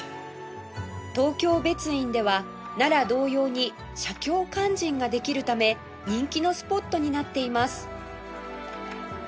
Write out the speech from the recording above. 東京別院では奈良同様に写経勧進ができるため人気のスポットになっています